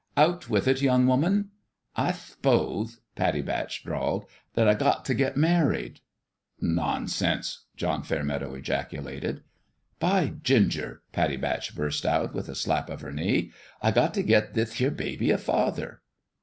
" Out with it, young woman !"" I th'pothe," Pattie Batch drawled, " that I got t' get married." " Nonsense !" John Fairmeadow ejaculated. " By ginger !" Pattie Batch burst out, with a slap of her knee, " I got t' get thith here baby a father."